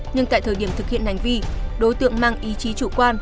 nhưng tại thời điểm thực hiện hành vi đối tượng mang ý chí chủ quan